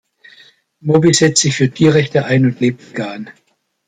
Moby setzt sich für Tierrechte ein und lebt vegan.